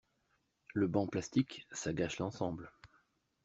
Le banc plastique, ça gâche l'ensemble.